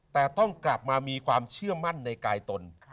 แต่ต้องกลับมามีความเชื่อมั่นในกายตน